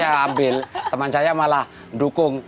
saya ambil teman saya malah dukung